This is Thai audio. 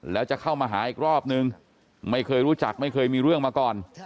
แล้วจะเข้ามาหาอีกรอบนึงไม่เคยรู้จักไม่เคยมีเรื่องมาก่อน